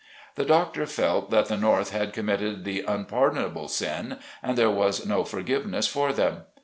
The doctor felt that the North had committed the unpardonable sin, and there was no forgiveness for them.